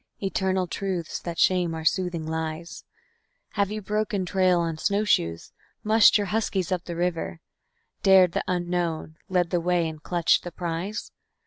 (Eternal truths that shame our soothing lies.) Have you broken trail on snowshoes? mushed your huskies up the river, Dared the unknown, led the way, and clutched the prize?